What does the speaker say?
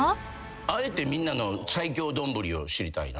あえてみんなの最強丼を知りたいな。